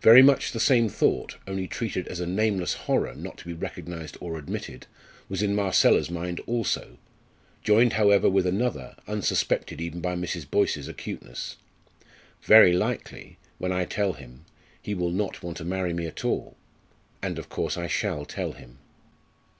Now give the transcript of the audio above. Very much the same thought only treated as a nameless horror not to be recognised or admitted was in Marcella's mind also, joined however with another, unsuspected even by Mrs. Boyce's acuteness. "Very likely when I tell him he will not want to marry me at all and of course I shall tell him."